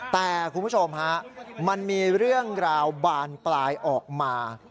แต่คุณผู้ชมฮะมันมีเรื่องราวบานปลายออกมา